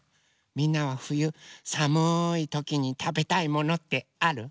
みんなはふゆさむいときにたべたいものってある？